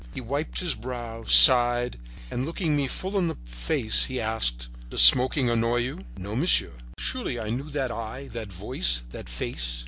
He wiped his brow, sighed, and, looking me full in the face, he asked: "Does smoking annoy you, monsieur?" "No, monsieur." Surely I knew that eye, that voice, that face.